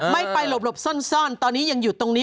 ไม่ไปหลบซ่อนตอนนี้ยังอยู่ตรงนี้